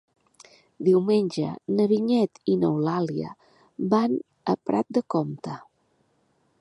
Diumenge na Vinyet i n'Eulàlia van a Prat de Comte.